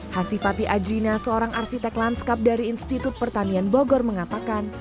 hasifati ajrina seorang arsitek lanskap dari institut pertanian bogor mengatakan